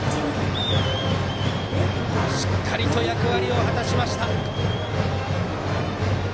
しっかりと役割を果たしました。